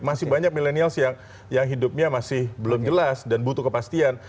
masih banyak milenials yang hidupnya masih belum jelas dan butuh kepastian